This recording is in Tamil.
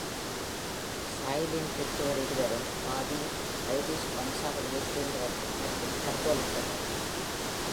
சாய்லின் பெற்றோர் இருவரும் பாதி ஐரிஷ் வம்சாவளியைச் சேர்ந்தவர்கள் மற்றும் கத்தோலிக்கர்கள்.